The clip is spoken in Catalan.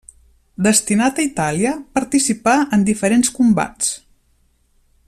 Destinat a Itàlia, participà en diferents combats.